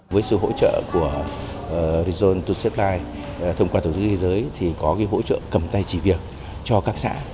với sự hỗ trợ của region to supply thông qua tổ chức y tế thì có cái hỗ trợ cầm tay chỉ việc cho các xã